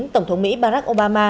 tổng thống mỹ barack obama